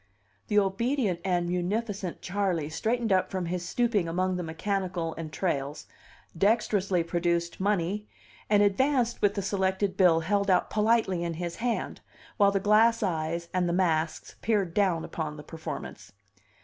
The obedient and munificent Charley straightened up from his stooping among the mechanical entrails, dexterously produced money, and advanced with the selected bill held out politely in his hand, while the glass eyes and the masks peered down at the performance.